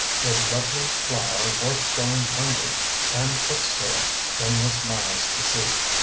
A lovely flower worth going hungry and footsore endless miles to see.